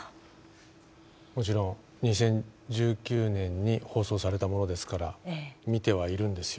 もちろん２０１９年に放送されたものですから見てはいるんですよ。